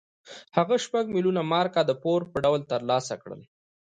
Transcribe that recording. هغه شپږ میلیونه مارکه د پور په ډول ترلاسه کړل.